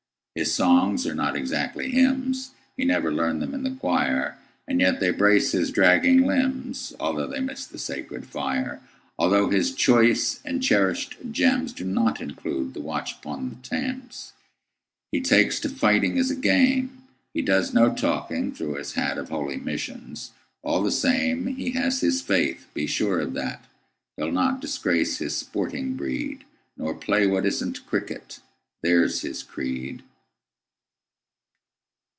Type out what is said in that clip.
His songs are not exactly hymns; He never learned them in the choir; And yet they brace his dragging limbsAlthough they miss the sacred fire; Although his choice and cherished gemsDo not include "The Watch upon the Thames."He takes to fighting as a game; He does no talking, through his hat, Of holy missions; all the sameHe has his faith—be sure of that; He'll not disgrace his sporting breed, Nor play what is n't cricket. There's his creed.